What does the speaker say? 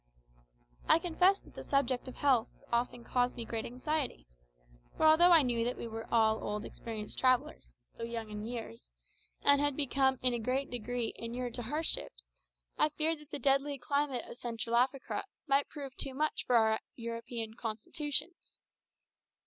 I confess that the subject of health often caused me much anxiety; for although I knew that we were all old experienced travellers though young in years and had become in a great degree inured to hardships, I feared that the deadly climate of Central Africa might prove too much for our European constitutions.